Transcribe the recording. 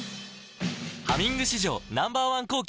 「ハミング」史上Ｎｏ．１抗菌